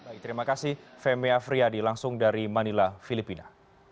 baik terima kasih femi afriyadi langsung dari manila filipina